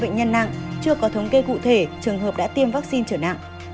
hai trăm hai mươi bệnh nhân nặng chưa có thống kê cụ thể trường hợp đã tiêm vaccine trở nặng